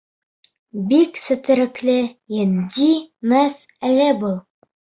Бик сетерекле, етди мәсьәлә был.